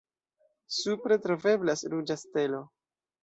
Supre troveblas ruĝa stelo.